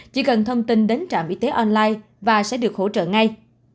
chỉ cần thông tin đến trạm y tế online và sẽ được hỗ trợ ngay